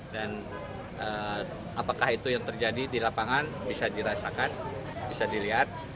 dan apakah itu yang terjadi di lapangan bisa dirasakan bisa dilihat